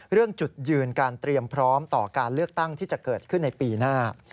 เรื่องจุดยืนการเตรียมพร้อมต่อการเลือกตั้งที่จะเกิดขึ้นในปีหน้า